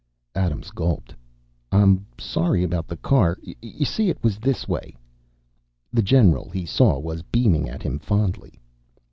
Adams gulped. "I'm sorry about the car. You see, it was this way...." The general, he saw, was beaming at him fondly.